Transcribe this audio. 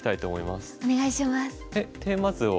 お願いします。